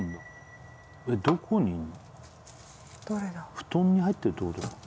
布団に入ってるって事？